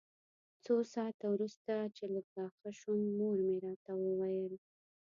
څو ساعته وروسته چې لږ راښه شوم مور مې راته وویل.